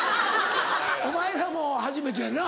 お前らも初めてやな。